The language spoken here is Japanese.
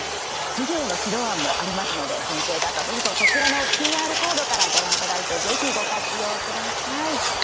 授業の指導案もありますので先生方、どうぞこちらのＱＲコードからご覧いただいてぜひ活用ください。